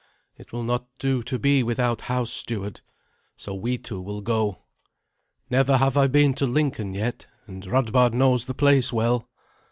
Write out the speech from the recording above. It will not do to be without house steward. So we two will go. Never have I been to Lincoln yet, and Radbard knows the place well."